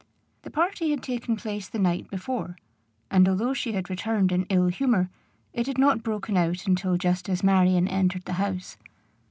The party had taken place the night before; and although she had returned in ill humor, it had not broken out until just as Marion entered the house.